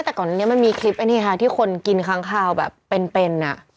แต่ก่อนนี้มันมีคลิปไอ้ให้ไทยที่คนกินคลั้งคราวแบบเป็น